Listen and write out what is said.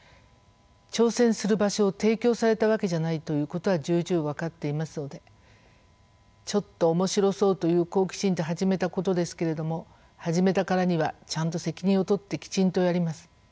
挑戦する場所を提供されたわけじゃないということは重々分かっていますので「ちょっと面白そう」という好奇心で始めたことですけれども始めたからにはちゃんと責任を取ってきちんとやります。